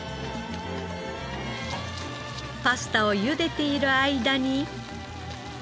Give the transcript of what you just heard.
パスタをゆでている間に。